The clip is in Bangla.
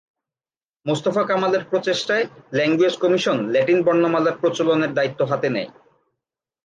মোস্তফা কামালের প্রচেষ্টায় ল্যাঙ্গুয়েজ কমিশন ল্যাটিন বর্ণমালার প্রচলনের দায়িত্ব হাতে নেয়।